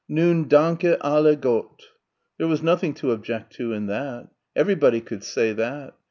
"Nun danket alle Gott." There was nothing to object to in that. Everybody could say that.